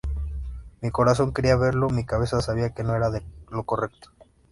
Mi corazón quería verlo, mi cabeza sabía que no era lo correcto.